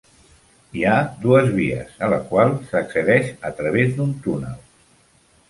Hi ha dues vies, a la qual s'accedeix a través d'un túnel.